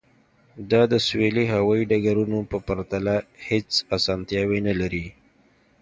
دا د سویلي هوایی ډګرونو په پرتله هیڅ اسانتیاوې نلري